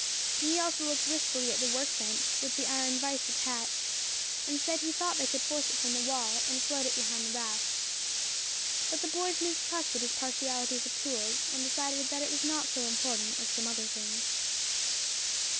He also looked wistfully at the work bench, with the iron vice attached, and said he thought they could force it from the wall, and float it behind the rafts. But the boys mistrusted his partiality for tools, and decided that it was not so important as some other things.